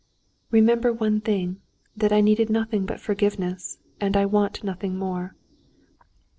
"Remember one thing, that I needed nothing but forgiveness, and I want nothing more....